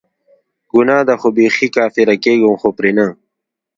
ګناه ده خو بیخي کافره کیږم خو به پری نه